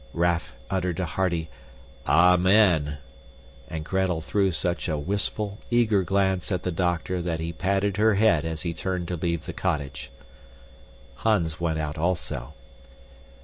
Raff uttered a hearty, "Amen!" and Gretel threw such a wistful, eager glance at the doctor that he patted her head as he turned to leave the cottage. Hans went out also.